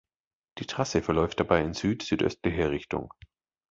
Die Trasse verläuft dabei in süd-südöstlicher Richtung.